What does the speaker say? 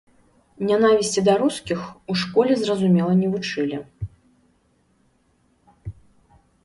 Нянавісці да рускіх у школе, зразумела, не вучылі.